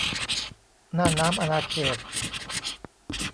น่านน้ำอาณาเขต